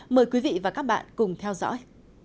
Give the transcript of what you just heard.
mời quý vị và các bạn cùng theo dõi